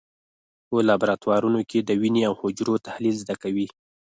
په لابراتوارونو کې د وینې او حجرو تحلیل زده کوي.